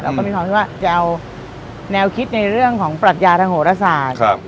แล้วก็มีความคิดว่าจะเอาแนวคิดในเรื่องของปรัชญาทางโหรศาสตร์